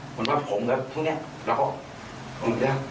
เหมือนว่าผมแล้วว่านี่